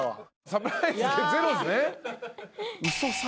サプライズゼロですね。